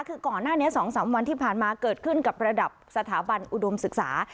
คือก่อนหน้านี้๒๓วันที่ผ่านมาเกิดขึ้นกับระดับสถาบันอุดมศึกษา